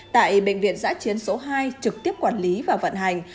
tại bệnh viện giã chiến số hai trực tiếp quản lý và vận hành